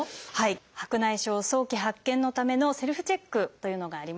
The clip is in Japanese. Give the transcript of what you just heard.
白内障早期発見のためのセルフチェックというのがあります。